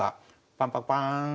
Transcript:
パンパンパーン。